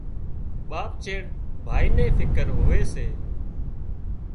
ٻاپ چيڙ ڀائي نين فڪر هوئي سي